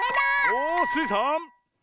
おスイさん。